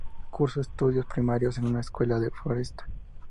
Cursó estudios primarios en una escuela de Floresta.